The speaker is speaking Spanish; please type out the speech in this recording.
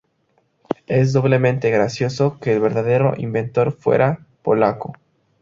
Es doblemente gracioso que el verdadero inventor fuera polaco.